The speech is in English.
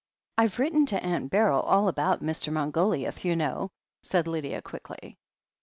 "I've written to Aunt Beryl all about Mr. Mar goliouth, you know," said Lydia quickly.